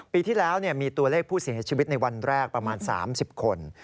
ปีที่แล้วมีตัวเลขผู้เสียชีวิตในวันแรกประมาณ๓๐คน